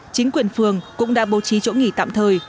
chính quyền phường cũng đã bố trí chỗ nghỉ tạm thời